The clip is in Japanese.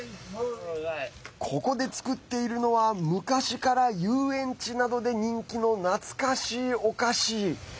ここで作っているのは店から遊園地で人気の懐かしいお菓子。